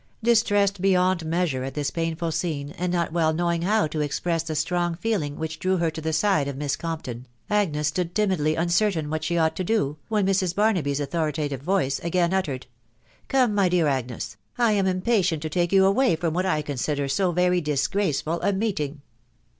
Distressed beyond measure at this painful scene, and not well knowing how to express the strong feeling which drew her to the side of Miss Compton, Agnes stood timidly uncer tain what she ought to do, when Mrs. Barnaby's authori tative voice again uttered, " Come, my dear Agnes, I am impatient to take you away from what I consider so very dis graceful a meeting."